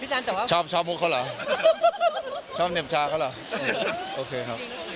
พี่สันแต่ว่าชอบด้วยคำมุกเค้าเหรอชอบเหนียบชาเค้าเหรอ